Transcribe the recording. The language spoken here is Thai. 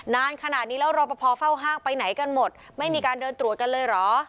นานขนาดนี้แล้วรอปภเฝ้าห้างไปไหนกันหมดไม่มีการเดินตรวจกันเลยเหรอ